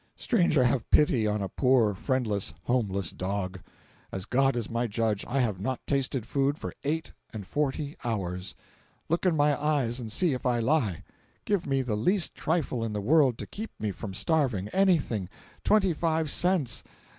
Stranger have pity on a poor friendless, homeless dog! As God is my judge, I have not tasted food for eight and forty hours!—look in my eyes and see if I lie! Give me the least trifle in the world to keep me from starving—anything—twenty five cents!